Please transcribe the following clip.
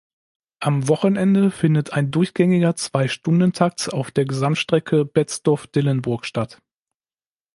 Am Wochenende findet ein durchgängiger Zweistundentakt auf der Gesamtstrecke Betzdorf–Dillenburg statt.